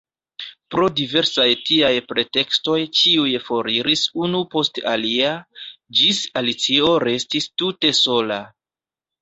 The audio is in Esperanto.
Pro diversaj tiaj pretekstoj ĉiuj foriris unu post alia, ĝis Alicio restis tute sola.